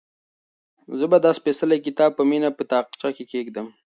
زه به دا سپېڅلی کتاب په مینه په تاقچه کې کېږدم.